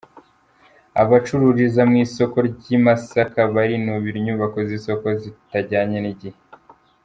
Abacururiza mu isoko ry’i Masaka barinubira inyubako z’isoko zitajyanye n’igihe